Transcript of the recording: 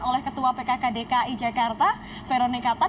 oleh ketua pkk dki jakarta veronika tan